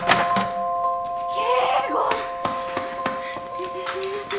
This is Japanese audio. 先生すみません。